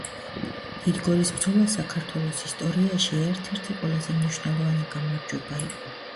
დიდგორის ბრძოლა საქართველოს ისტორიაში ერთ-ერთი ყველაზე მნიშვნელოვანი გამარჯვება იყო